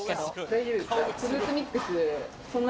大丈夫ですか？